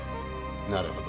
なるほど。